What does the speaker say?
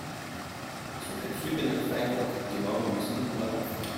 Suche Züge nach Freiburg, die morgen um sieben Uhr abfahren.